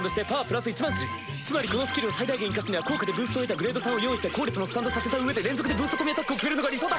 つまりこのスキルを最大限にいかすには効果でブーストを得たグレード３を用意して後列もスタンドさせたうえで連続でブースト込みアタックを決めるのが理想だ。